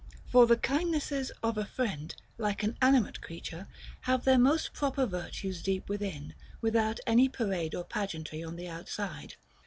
For the kindness s of a friend, like an ani mate creature, have their most proper virtues deep within, without any parade or pageantry on the outside.